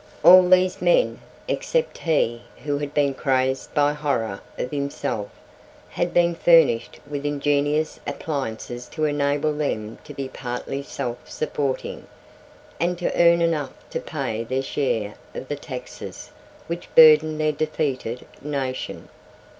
All these men, except he who had been crazed by horror of himself, had been furnished with ingenious appliances to enable them to be partly self supporting, and to earn enough to pay their share of the taxes which burdened their defeated nation.